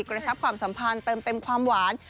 กระชับความสัมพันธ์เติมเต็มความหวาน